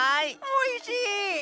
おいしい！